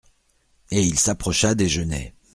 Et il s'approcha des genêts.